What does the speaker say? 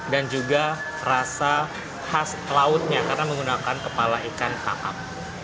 dan juga rasa khas lautnya karena menggunakan kepala ikan takap